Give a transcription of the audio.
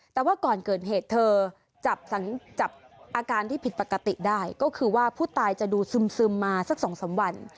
แต่ว่าก่อนเกิดเหตุเธอจับอาการที่ผิดปกติได้ก็คือว่าผู้ตายจะดูซึมมาสัก๒๓วัน